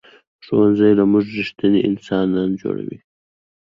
ښوونځی له موږ ریښتیني انسانان جوړوي